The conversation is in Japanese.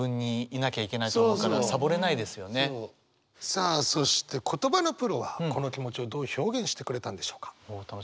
さあそして言葉のプロはこの気持ちをどう表現してくれたんでしょうか？